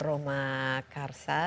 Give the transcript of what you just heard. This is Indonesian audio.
karya terakhirnya aromakarsa